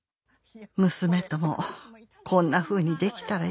「娘ともこんなふうにできたらよかった」